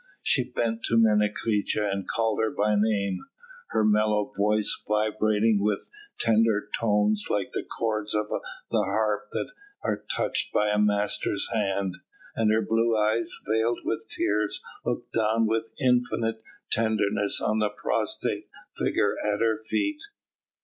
She bent to Menecreta and called her by name, her mellow voice vibrating with tender tones like the chords of the harp that are touched by a master hand, and her blue eyes, veiled with tears, looked down with infinite tenderness on the prostrate figure at her feet.